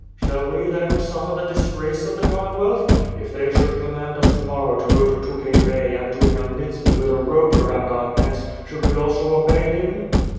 "Shall we then suffer the disgrace of the Commonwealth? If they should command us to morrow to go to Tukhay Bey and to Khmyelnitski with a rope around our necks, should we also obey him?''